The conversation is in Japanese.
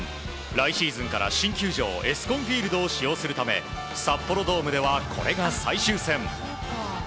来シーズンから新球場エスコンフィールドを使用するため札幌ドームではこれが最終戦。